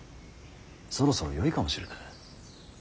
そろそろよいかもしれぬ。